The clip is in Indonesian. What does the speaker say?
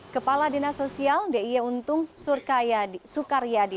kepala dinas sosial d i e untung sukaryadi